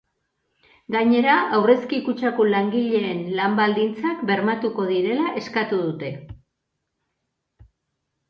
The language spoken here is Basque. Gainera, aurrezki kutxako langileen lan-baldintzak bermatuko direla eskatu dute.